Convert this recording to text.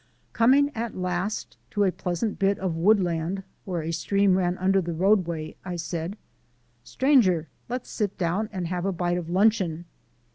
Coming at last to a pleasant bit of woodland, where a stream ran under the roadway, I said: "Stranger, let's sit down and have a bite of luncheon."